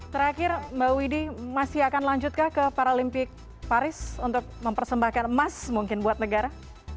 terakhir mbak widi masih akan lanjutkah ke paralimpik paris untuk mempersembahkan emas mungkin buat negara